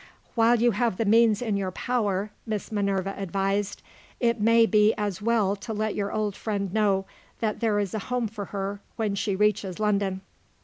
"While you have the means in your power," Miss Minerva advised, "it may be as well to let your old friend know that there is a home for her when she reaches London."